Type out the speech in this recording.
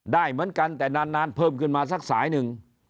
ได้เหมือนกันแต่นานเพิ่มขึ้นมาสักสายหนึ่ง